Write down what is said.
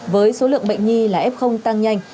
với số lượng bệnh nhi là f tăng nhanh